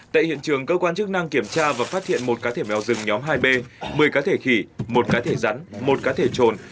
tại hiện trường cơ quan chức năng kiểm tra và phát hiện một cá thể mèo rừng nhóm hai b một mươi cá thể khỉ một cá thể rắn một cá thể trồn